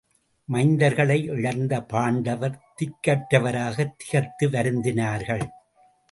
மைந்தர்களை இழந்த பாண்டவர் திக்கற்றவராகத் திகைத்து வருந்தினார்கள்.